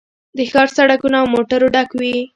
د ښار سړکونه له موټرو ډک وي